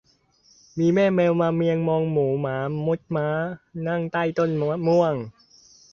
มีแม่แมวมาเมียงมองหมูหมามุดม้านั่งใต้ต้นมะม่วง